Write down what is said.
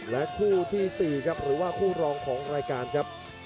และคู่ที่๔ครับหรือว่าคู่รองของรายการครับ